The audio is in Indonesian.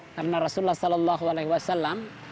karena rasulullah saw